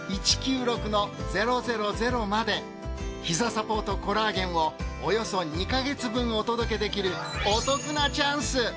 ひざサポートコラーゲンをおよそ２ヵ月分お届けできるお得なチャンス。